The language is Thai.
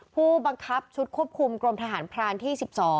ผู้บังคับชุดควบคุมกรมทหารพรานที่๑๒